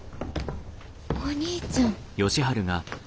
お兄ちゃん。